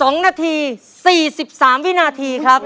๒นาที๔๓วินาทีครับ